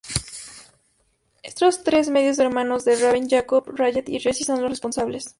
Estos tres medios hermanos de Raven, Jacob, Jared y Jesse son los responsables.